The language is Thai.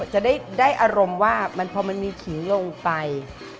จะได้อารมณ์ว่าพอมันมีขิงลงไป